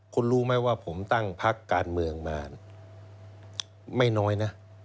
คุณรู้ไหมว่าผมตั้งพักการเมืองมาไม่น้อยนะ